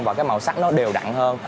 và cái màu sắc nó đều đặn hơn